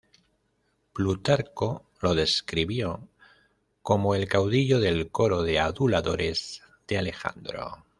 Plutarco lo describió como el caudillo del coro de aduladores de Alejandro.